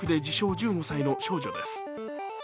１５歳の少女です。